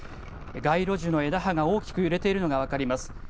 街路樹の枝葉が大きく揺れているのが分かります。